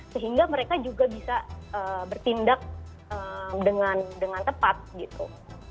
sehingga mereka juga bisa bertindak dengan tepat gitu